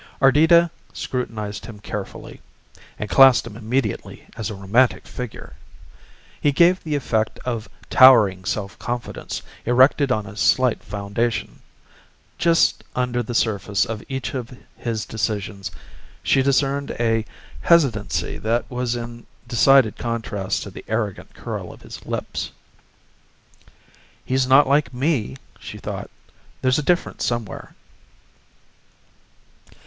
Ardita scrutinized him carefully and classed him immediately as a romantic figure. He gave the effect of towering self confidence erected on a slight foundation just under the surface of each of his decisions she discerned a hesitancy that was in decided contrast to the arrogant curl of his lips. "He's not like me," she thought "There's a difference somewhere."